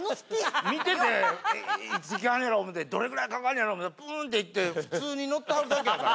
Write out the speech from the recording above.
見てて時間あるやろ思うてどれぐらいかかんねやろ思うたらプンって行って普通に乗ってはるだけやから。